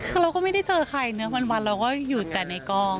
คือเราก็ไม่ได้เจอใครนะวันเราก็อยู่แต่ในกล้อง